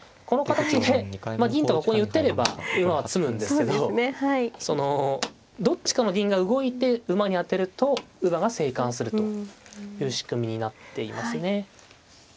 この形でまあ銀とかここに打てれば馬は詰むんですけどそのどっちかの銀が動いて馬に当てると馬が生還するという仕組みになっていますね。